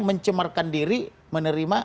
mencemarkan diri menerima